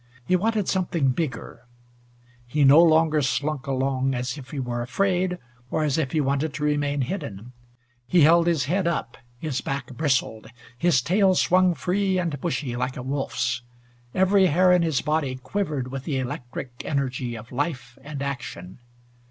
He wanted something bigger. He no longer slunk along as if he were afraid, or as if he wanted to remain hidden. He held his head up. His back bristled. His tail swung free and bushy, like a wolf's. Every hair in his body quivered with the electric energy of life and action.